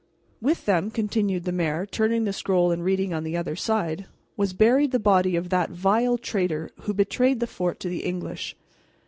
"With them," continued the mayor, turning the scroll and reading on the other side, "was buried the body of that vile traitor who betrayed the fort to the English.